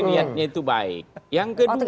yang pertama itu baik yang kedua